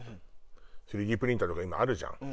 ３Ｄプリンターとか今あるじゃん。